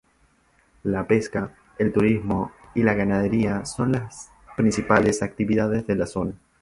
La pesca, el turismo y la ganadería son las principales actividades de la zona.